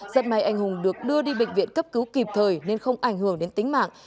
giật may anh hùng được đưa đi bệnh viện cấp cứu kịp thời nên không ảnh hưởng đến tính mạng